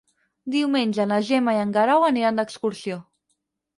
Diumenge na Gemma i en Guerau aniran d'excursió.